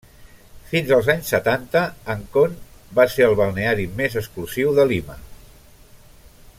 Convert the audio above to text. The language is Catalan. Fins als anys setanta, Ancón va ser el balneari més exclusiu de Lima.